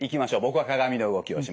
僕は鏡の動きをします。